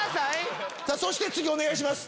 そして次お願いします。